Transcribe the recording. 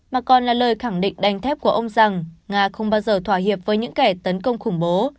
mà còn là lời khẳng định đánh thép của ông rằng nga không bao giờ thỏa hiệp với những kẻ tấn công khủng bố